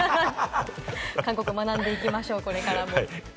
韓国を学んで行きましょうこれからも。